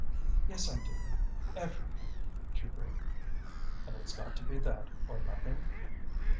"'Yes, I do: everything,' she breathed. "'And it's got to be that or nothing?